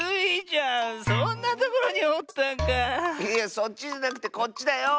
そっちじゃなくてこっちだよ！